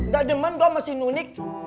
gak demen gue masih nunik